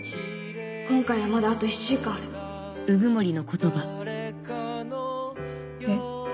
今回はまだあと１週間あるえっ？